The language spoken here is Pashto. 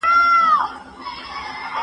زما بغات ستا له ګفتاره سره نه جوړیږي